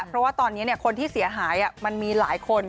เพราะว่าตอนนี้คนที่เสียหายมันมีหลายคน